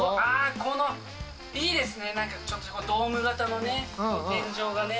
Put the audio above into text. この、いいですね、なんか、ちょっとドーム型のね、天井がね。